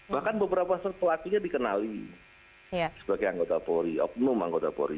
bahkan beberapa pelakunya dikenali sebagai anggota polri oknum anggota polri